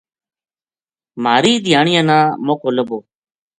مھاری دھیانیاں نا موقعو لبھو